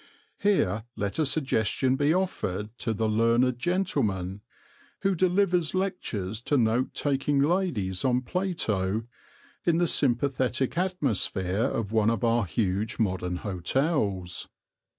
Here let a suggestion be offered to the learned gentleman who delivers lectures to note taking ladies on Plato in the sympathetic atmosphere of one of our huge modern hotels.